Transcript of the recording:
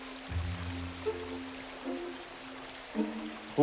お。